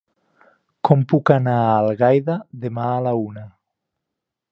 Com puc anar a Algaida demà a la una?